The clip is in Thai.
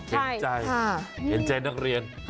เย็นใจนักเรียน